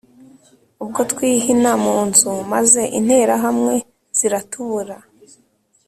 Ubwo twihina mu nzu maze interahamwe ziratubura